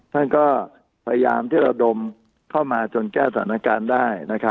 ฟันก็พยายามเท่าเราดมเข้ามาจนแก้สอนการณ์ได้นะครับ